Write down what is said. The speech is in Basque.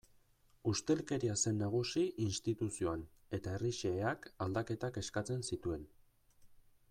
Ustelkeria zen nagusi instituzioan eta herri xeheak aldaketak eskatzen zituen.